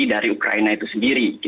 dari ukraina itu sendiri